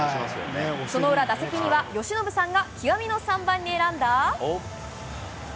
その裏、打席には由伸さんが極みの３番に選んだ。